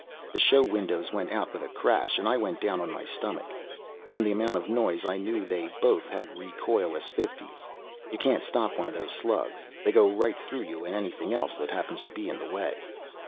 The show windows went out with a crash and I went down on my stomach. From the amount of noise I knew they both had recoilless .50's. You can't stop one of those slugs. They go right through you and anything else that happens to be in the way.